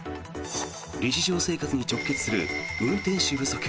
日常生活に直結する運転手不足。